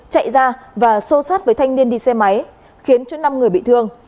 chạy ra và xô sát với thanh niên đi xe máy khiến năm người bị thương